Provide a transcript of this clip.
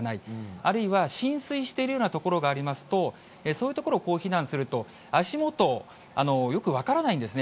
あるいは浸水しているような所がありますと、そういう所を避難すると、足元、よく分からないんですね。